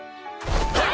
・はい！